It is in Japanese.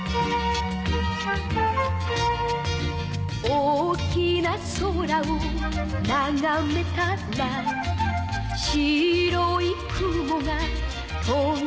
「大きな空をながめたら」「白い雲が飛んでいた」